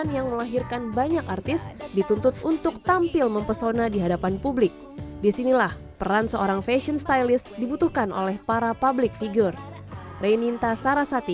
sejak awalnya bisa menjadi seorang fashion stylist